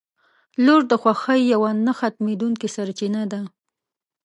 • لور د خوښۍ یوه نه ختمېدونکې سرچینه ده.